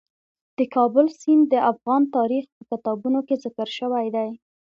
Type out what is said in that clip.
د کابل سیند د افغان تاریخ په کتابونو کې ذکر شوی دي.